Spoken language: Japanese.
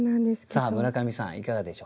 さあ村上さんいかがでしょうか？